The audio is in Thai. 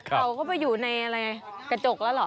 เขาก็ไปอยู่ในอะไรกระจกแล้วเหรอ